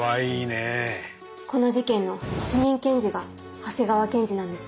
この事件の主任検事が長谷川検事なんです。